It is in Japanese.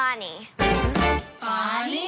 バーニー？